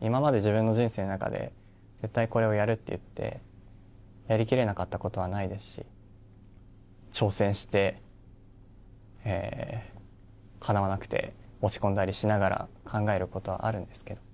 今まで自分の人生の中で絶対これをやるって言ってやりきれなかったことはないですし挑戦してかなわなくて落ち込んだりしながら考えることはあるんですけどね。